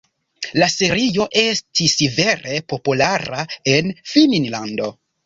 La serio estis vere populara en Finnlando.